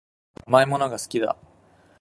甘いものが好きだ